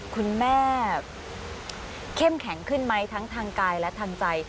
คุณแม่เข้มแข็งขึ้นไหมทั้งทางกายและทางใจ